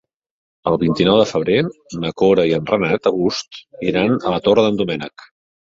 El vint-i-nou de febrer na Cora i en Renat August iran a la Torre d'en Doménec.